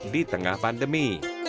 di tengah pandemi